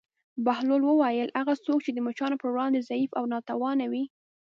بهلول وویل: هغه څوک چې د مچانو پر وړاندې ضعیف او ناتوانه وي.